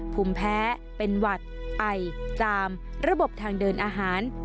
ภูมิแพ้เป็นหวัดไอจามระบบทางเดินอาหาร